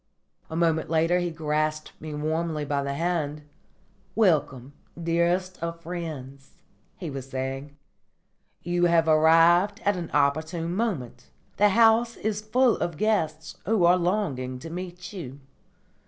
A moment later he grasped me warmly by the hand, "Welcome, dearest of friends," he was saying. "You have arrived at an opportune moment. The house is full of guests who are longing to meet you."